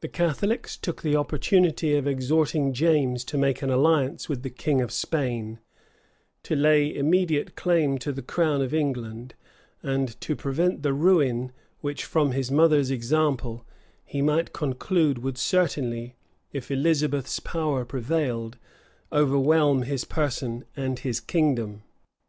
The Catholics took the opportunity of exhorting James to make an alliance with the king of Spain, to lay immediate claim to the crown of England, and to prevent the ruin which, from his mother's example, he might conclude would certainly, if Elizabeth's power prevailed, overwhelm his person and his kingdom.